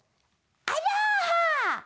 あら！